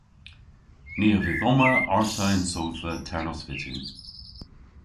Ni a vydh omma arta y'n sodhva ternos vyttin.